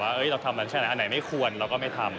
ว่าเราทำอะไรไม่ควรเราก็ไม่ทำ